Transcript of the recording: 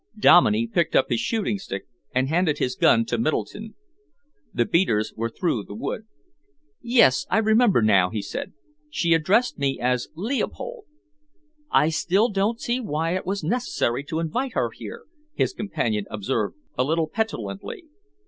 Dominey picked up his shooting stick and handed his gun to Middleton. The beaters were through the wood. "Yes, I remember now," he said. "She addressed me as Leopold." "I still don't see why it was necessary to invite her here," his companion observed a little petulantly.